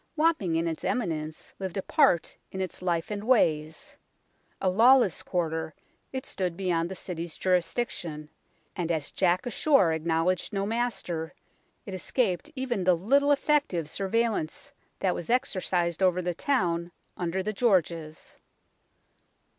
Wapping in its eminence lived apart in its life and ways. A lawless quarter, it stood beyond the City's jurisdiction, and as Jack ashore acknowledged no master, it escaped even the little effective surveillance that was exercised over the town under the Georges.